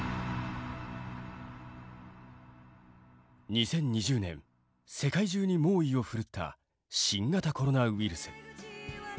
２０２０年世界中に猛威を振るった新型コロナウイルス。